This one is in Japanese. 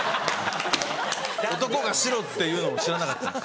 男が白っていうのを知らなかったんです。